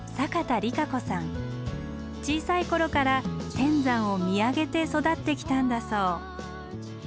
小さい頃から天山を見上げて育ってきたんだそう。